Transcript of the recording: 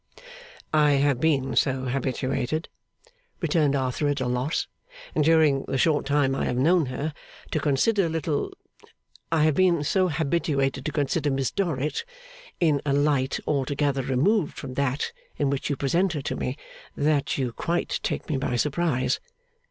'I have been so habituated,' returned Arthur, at a loss, 'during the short time I have known her, to consider Little I have been so habituated to consider Miss Dorrit in a light altogether removed from that in which you present her to me, that you quite take me by surprise.